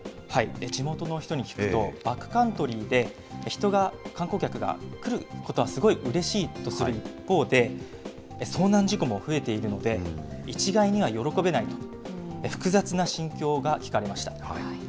地元の人に聞くと、バックカントリーで、人が観光客が来ることはすごいうれしいとする一方で、遭難事故も増えているので、一概には喜べないと、複雑な心境が聞かれました。